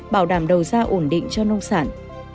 bảo đảm đầu ra ổn định cho nông sản